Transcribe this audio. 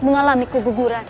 mengalami kelumpuhan sebelahnya